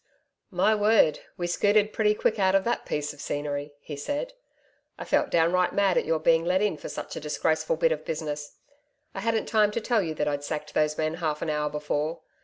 'My word! we scooted pretty quick out of that piece of scenery,' he said. 'I felt downright mad at your being let in for such a disgraceful bit of business. I hadn't time to tell you that I'd sacked those men half an hour before.